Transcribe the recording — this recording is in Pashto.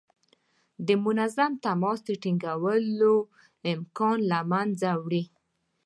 د منظم تماس د ټینګولو امکان له منځه وړي.